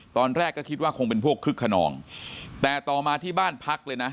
ตอนแรกก็คิดว่าคงเป็นพวกคึกขนองแต่ต่อมาที่บ้านพักเลยนะ